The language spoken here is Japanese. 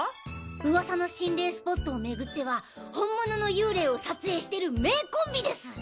ウワサの心霊スポットを巡っては本物の幽霊を撮影してる名コンビです！